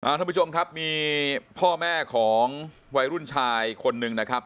ท่านผู้ชมครับมีพ่อแม่ของวัยรุ่นชายคนหนึ่งนะครับ